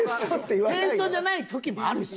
ペーストじゃない時もあるし。